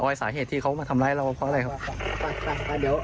สาเหตุที่เขามาทำร้ายเราเพราะอะไรครับ